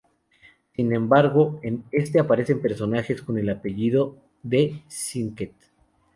Sin embargo, en este aparecen personajes con el apellido de Snicket.